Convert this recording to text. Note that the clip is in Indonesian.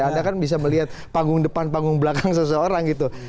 anda kan bisa melihat panggung depan panggung belakang seseorang gitu